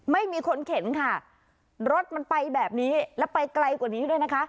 ไม่มีคนเข็นค่ะรถมันไปแบบนี้แล้วไปไกลกว่านี้ด้วยนะคะ